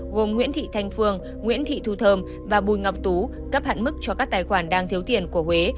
gồm nguyễn thị thanh phương nguyễn thị thu và bùi ngọc tú cấp hạn mức cho các tài khoản đang thiếu tiền của huế